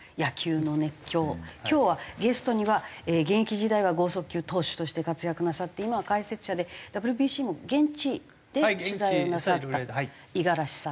今日はゲストには現役時代は剛速球投手として活躍なさって今は解説者でＷＢＣも現地で取材をなさった五十嵐さん